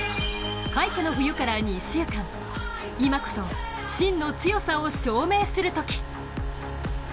快挙の冬から２週間今こそ、真の強さを証明するとき。